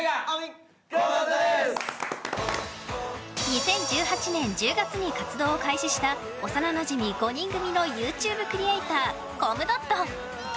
２０１８年１０月に活動を開始した幼なじみ５人組のＹｏｕＴｕｂｅクリエーターコムドット。